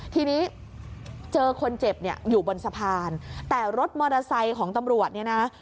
ทีนี้เจอคนเจ็บอยู่บนสะพานแต่รถมอเตอร์ไซค์ของตำรวจ